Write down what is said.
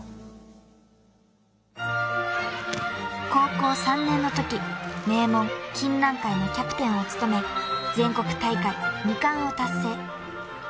［高校３年のとき名門金蘭会のキャプテンを務め全国大会２冠を達成］